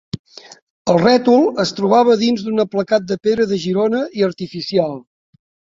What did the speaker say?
El rètol es trobava dins d'un aplacat de pedra de Girona i artificial.